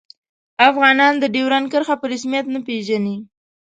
افغانان د ډیورنډ کرښه په رسمیت نه پيژني